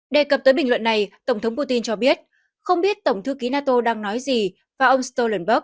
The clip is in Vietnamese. đề cập tới bình luận này tổng thống putin cho biết không biết tổng thư ký nato đang nói gì và ông stoltenberg không hề mắc chứng